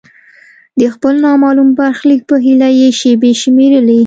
د خپل نامعلوم برخلیک په هیله یې شیبې شمیرلې.